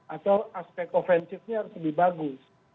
atau aspek offensive nya harus lebih bagus